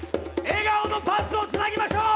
笑顔のパスをつなぎましょう。